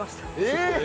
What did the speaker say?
えっ！